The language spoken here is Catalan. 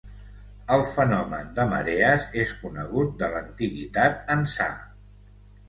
El fenomen de marees és conegut de l'antiguitat ençà.